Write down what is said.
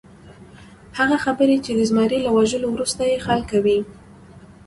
هغه خبرې چې د زمري له وژلو وروسته یې خلک کوي.